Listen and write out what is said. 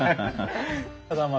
ただまあ